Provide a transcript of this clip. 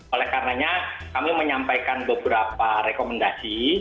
oleh karenanya kami menyampaikan beberapa rekomendasi